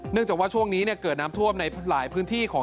จากว่าช่วงนี้เกิดน้ำท่วมในหลายพื้นที่ของ